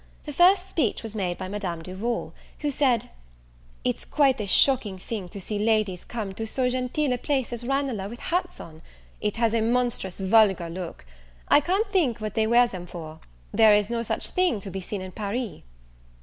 The first speech was made by Madame Duval, who said, "It's quite a shocking thing to see ladies come to so genteel a place as Ranelagh with hats on; it has a monstrous vulgar look: I can't think what they wear them for. There is no such a thing to be seen in Paris."